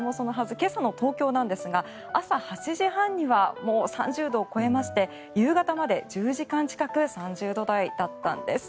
今朝の東京は朝８時半にはもう３０度を超えまして夕方まで１０時間近く３０度台だったんです。